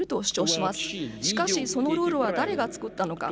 しかしそのルールは誰が作ったのか。